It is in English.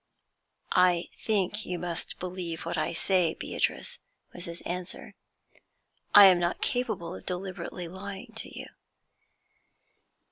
'I think you must believe what I say, Beatrice,' was his answer. 'I am not capable of deliberately lying to you.'